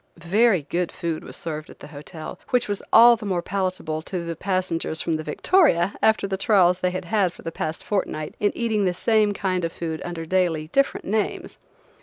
Very good food was served at the hotel–which was all the more palatable to the passengers from the Victoria after the trials they had had for the past fortnight in eating the same kind of food under daily different names.